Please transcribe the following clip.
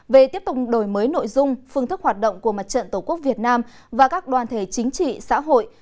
về tiếp tục đổi mới nội dung phương thức hoạt động của mặt trận tổ quốc việt nam và các đoàn thể chính trị xã hội